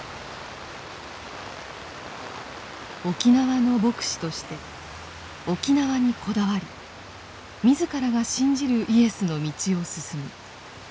沖縄の牧師として沖縄にこだわり自らが信じるイエスの道を進む。